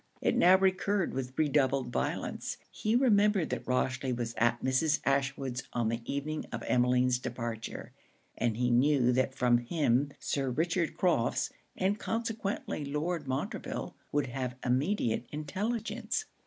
It now recurred with redoubled violence. He remembered that Rochely was at Mrs. Ashwood's on the evening of Emmeline's departure; and he knew that from him Sir Richard Crofts, and consequently Lord Montreville, would have immediate intelligence.